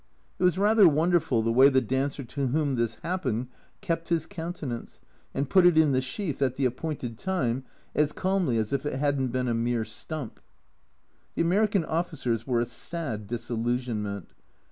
It was rather wonderful the way the dancer to whom this happened kept his countenance, and put it in the sheath at the A Journal from Japan 227 appointed time as calmly as if it hadn't been a mere stump. The American officers were a sad disillusionment.